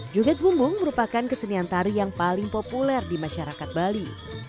junget bumbung merupakan kesenian tari yang paling populer di masyarakat bali